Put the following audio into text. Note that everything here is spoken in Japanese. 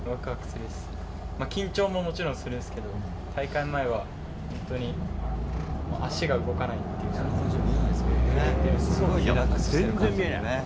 緊張ももちろんするんすけど、大会前は本当に足が動かない感じで、震える。